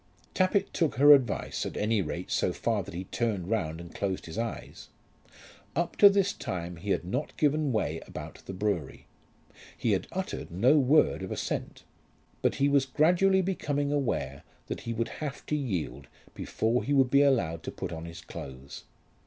Tappitt took her advice at any rate, so far that he turned round and closed his eyes. Up to this time he had not given way about the brewery. He had uttered no word of assent. But he was gradually becoming aware that he would have to yield before he would be allowed to put on his clothes.